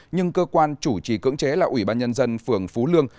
nhưng cơ quan chủ trì cưỡng chế là ủy ban nhân dân phường phú lương